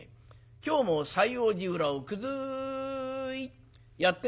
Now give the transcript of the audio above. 今日も西應寺裏を「くずい」やって参ります。